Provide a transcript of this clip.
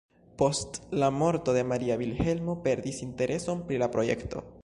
Post la morto de Maria, Vilhelmo perdis intereson pri la projekto.